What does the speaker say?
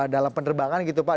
dalam penerbangan gitu pak